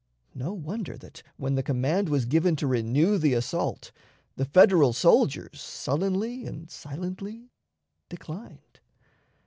No wonder that, when the command was given to renew the assault, the Federal soldiers sullenly and silently declined.